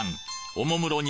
おもむろに